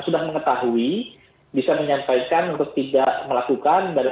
sudah mengetahui bisa menyampaikan untuk tidak melakukan